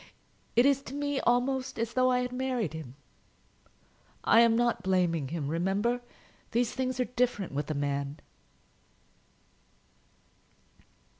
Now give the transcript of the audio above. It is to me almost as though I had married him. I am not blaming him, remember. These things are different with a man."